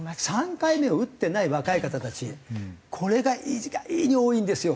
３回目を打ってない若い方たちこれが意外に多いんですよ。